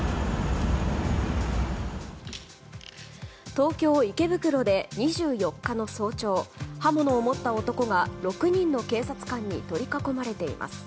東京・池袋で２４日の早朝刃物を持った男が６人の警察官に取り囲まれています。